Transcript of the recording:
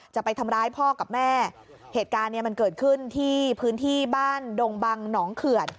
จะไปทำร้ายพ่อกับแม่เหตุการณ์เนี่ยมันเกิดขึ้นที่พื้นที่บ้านดงบังหนองเขื่อน